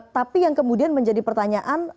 tapi yang kemudian menjadi pertanyaan